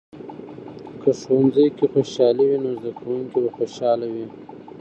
که ښوونځۍ کې خوشحالي وي، نو زده کوونکي به خوشحاله وي.